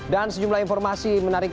dan sejumlah informasi menarik lagi